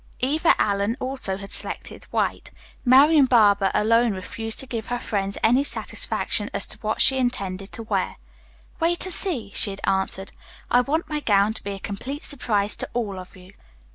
Eva Allen also had selected white. Marian Barber alone refused to give her friends any satisfaction as to what she intended to wear. "Wait and see," she had answered. "I want my gown to be a complete surprise to all of you."